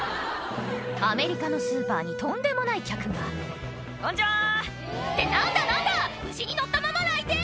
アメリカのスーパーにとんでもない客が「こんちは！」って何だ何だ牛に乗ったまま来店